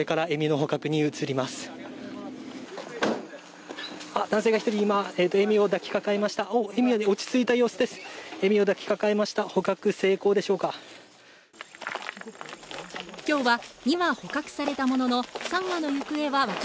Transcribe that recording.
捕獲成功でしょうか。